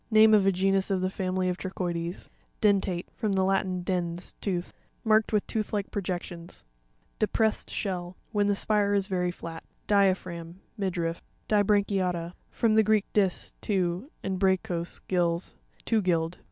Name of a genus of the family of Trochoides. Den'rateE.— From the Latin, dens, tooth. Marked with tooth like projections. DEPRESSED SHELL.—Whien the spire is very flat. Di'aruracm. —Midriff. Di'srancuta'tTa. — From the Greek, dis, two, and bragchos, gills—two gilled.